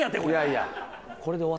いやいや。